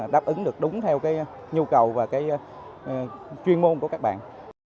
đáp ứng được đúng theo nhu cầu và cái chuyên môn của các bạn